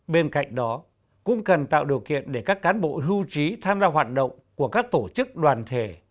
bên cạnh đó cũng cần tạo điều kiện để các cán bộ hưu trí tham gia hoạt động của các tổ chức đoàn thể